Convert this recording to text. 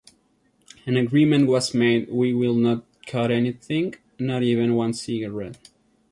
An agreement was made, We will not cut anything, not even one cigarette.